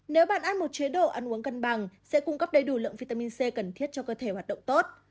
nếu bạn ăn một chế độ ăn uống cân bằng sẽ cung cấp đầy đủ lượng vitamin c cần thiết cho cơ thể hoạt động tốt